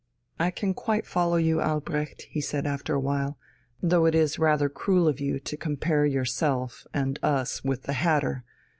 "I can quite follow you, Albrecht," said he after a while, "though it is rather cruel of you to compare yourself and us with 'the Hatter.'